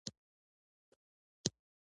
خپلوان یو ځل بیا ولیدل.